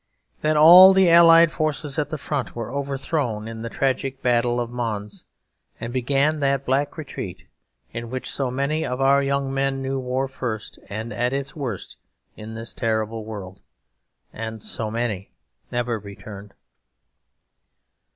Then all the allied forces at the front were overthrown in the tragic battle of Mons; and began that black retreat, in which so many of our young men knew war first and at its worst in this terrible world; and so many never returned.